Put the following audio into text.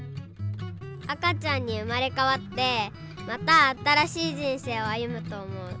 あかちゃんにうまれかわってまたあたらしいじんせいをあゆむとおもう。